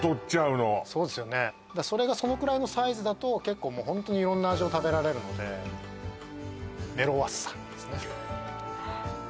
そうですよねそれがそのくらいのサイズだと結構もうホントに色んな味を食べられるのでメロワッサンですね